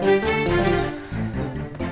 kalian berdua masuk kamar